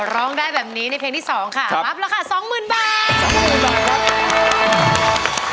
ร้องได้แบบนี้ในเพลงที่๒ค่ะรับราคา๒๐๐๐๐บาท